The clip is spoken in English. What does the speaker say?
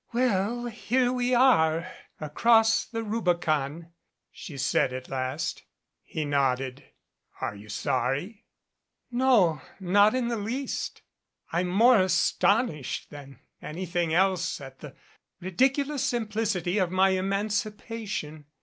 "Well, here we are across the Rubicon," she said at last. He nodded. "Are you sorry?" "No, not in the least. I'm more astonished than any thing else at the ridiculous simplicity of my emancipa tion.